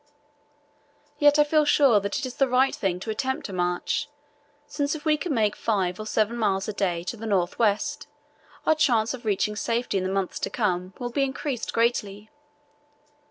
Yet I feel sure that it is the right thing to attempt a march, since if we can make five or seven miles a day to the north west our chance of reaching safety in the months to come will be increased greatly.